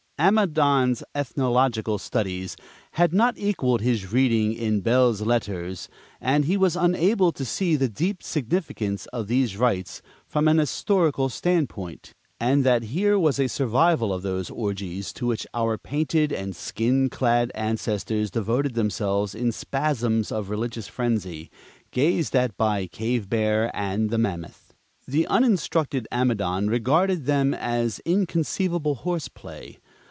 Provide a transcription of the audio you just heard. Amidon's ethnological studies had not equaled his reading in belles lettres, and he was unable to see the deep significance of these rites from an historical standpoint, and that here was a survival of those orgies to which our painted and skin clad ancestors devoted themselves in spasms of religious frenzy, gazed at by the cave bear and the mammoth. The uninstructed Amidon regarded them as inconceivable horse play.